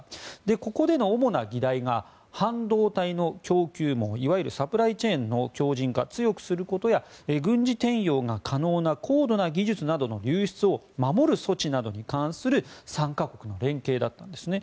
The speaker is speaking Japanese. ここでの主な議題が半導体の供給網いわゆるサプライチェーンの強じん化、強くすることや軍事転用が可能な高度な技術などの流出を守る措置などに関する３か国の連携だったんですね。